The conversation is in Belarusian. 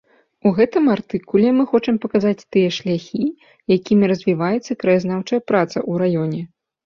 У гэтым артыкуле мы хочам паказаць тыя шляхі, якімі развіваецца краязнаўчая праца ў раёне.